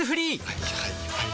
はいはいはいはい。